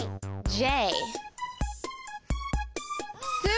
Ｊ！